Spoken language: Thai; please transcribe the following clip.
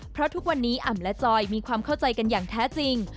เพราะทุกวันนี้อ่ำและจอยมีความเข้าใจกันอย่างแท้จริง